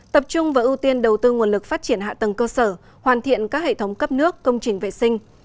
tập trung và ưu tiên đầu tư nguồn lực phát triển hạ tầng cơ sở hoàn thiện các hệ thống cấp nước công trình vệ sinh